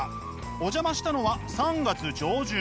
お邪魔したのは３月上旬。